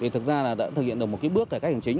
thực ra là đã thực hiện được một bước cải cách hành chính